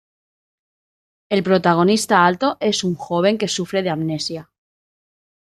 El protagonista Alto es un joven que sufre de amnesia.